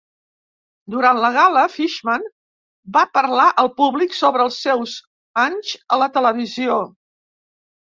Durant la gala, Fishman va parlar al públic sobre els seus anys a la televisió.